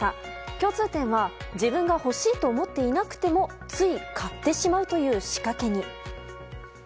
共通点は自分が欲しいと思っていなくてもつい買ってしまうという仕掛けに。